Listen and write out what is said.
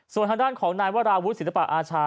ส่วนทางด้านของนายวราวุธศิษยภาคอาชา